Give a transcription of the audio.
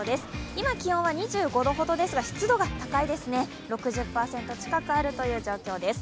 今気温は２５度ほどですが湿度が高いですね、６０％近くあるという状況です。